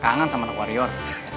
kangen sama anak warrior